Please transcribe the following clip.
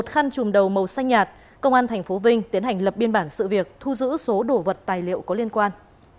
một mươi một khăn chùm đầu màu xanh nhạt công an tp vinh tiến hành lập biên bản sự việc thu giữ số đổ vật tài liệu có liên quan